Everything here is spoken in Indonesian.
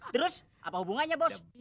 terus apa hubungannya bos